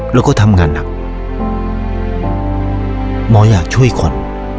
แล้วก็ทำงานหนักหมออยากช่วยคน